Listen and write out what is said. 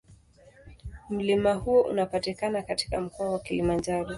Mlima huo unapatikana katika Mkoa wa Kilimanjaro.